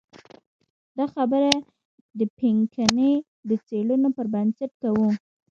دا خبره د پینکني د څېړنو پر بنسټ کوو.